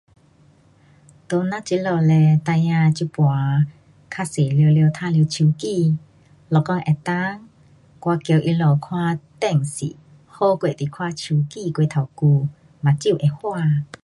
在我这呢孩儿这次较多全部玩耍手机。如果可以我叫他们开电视好过你看手机过头久。眼镜会花。